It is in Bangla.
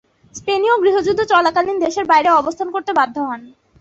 স্পেনীয় গৃহযুদ্ধ চলাকালীন দেশের বাইরে অবস্থান করতে বাধ্য হন।